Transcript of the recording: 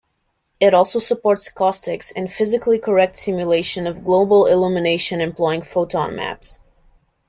It also supports caustics and physically correct simulation of global illumination employing photon maps.